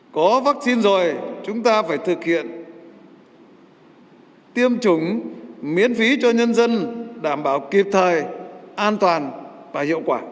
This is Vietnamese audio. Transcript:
có vaccine rồi chúng ta phải thực hiện tiêm chủng miễn phí cho nhân dân đảm bảo kịp thời an toàn và hiệu quả